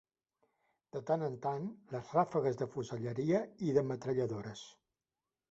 De tant en tant, les ràfegues de fuselleria i de metralladores